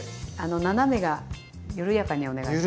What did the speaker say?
斜めが緩やかにお願いします。